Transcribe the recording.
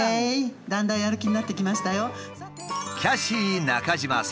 だんだんやる気になってきましたよ。